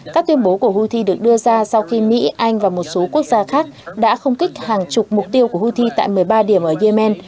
các tuyên bố của houthi được đưa ra sau khi mỹ anh và một số quốc gia khác đã không kích hàng chục mục tiêu của houthi tại một mươi ba điểm ở yemen